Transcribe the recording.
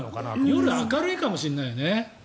夜明るいかもしれないね。